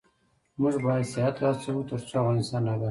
موږ باید سیاحت هڅوو ، ترڅو افغانستان اباد شي.